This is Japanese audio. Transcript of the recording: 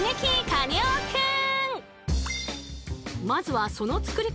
カネオくん！